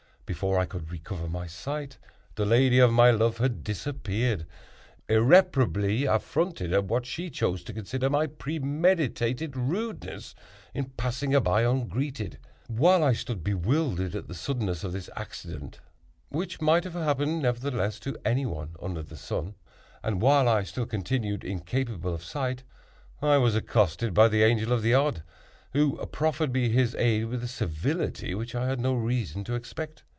Before I could recover my sight, the lady of my love had disappeared—irreparably affronted at what she chose to consider my premeditated rudeness in passing her by ungreeted. While I stood bewildered at the suddenness of this accident, (which might have happened, nevertheless, to any one under the sun), and while I still continued incapable of sight, I was accosted by the Angel of the Odd, who proffered me his aid with a civility which I had no reason to expect.